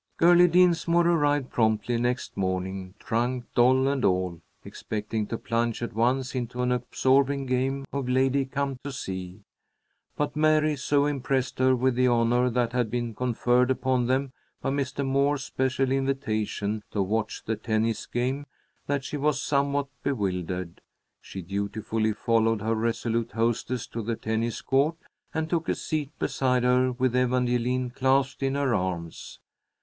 Girlie Dinsmore arrived promptly next morning, trunk, doll, and all, expecting to plunge at once into an absorbing game of lady come to see. But Mary so impressed her with the honor that had been conferred upon them by Mr. Moore's special invitation to watch the tennis game that she was somewhat bewildered. She dutifully followed her resolute hostess to the tennis court, and took a seat beside her with Evangeline clasped in her arms.